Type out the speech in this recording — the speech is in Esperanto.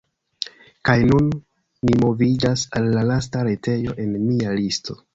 Kaj nun, ni moviĝas al la lasta retejo en mia listo.